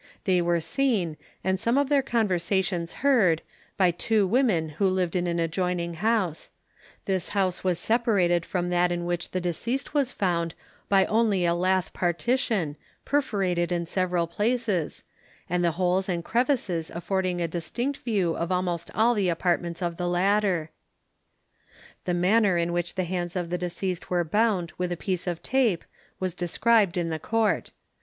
They were seen, and some of their conversations heard, by two women who lived in an adjoining house; this house was separated from that in which the deceased was found by only a lath partition, perforated in several places, and the holes and crevices affording a distinct view of almost all the apartments of the latter. The manner in which the hands of the deceased were bound with a piece of tape was described in the court.